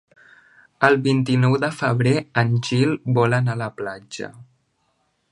El vint-i-nou de febrer en Gil vol anar a la platja.